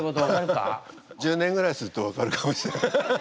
１０年ぐらいすると分かるかもしれない。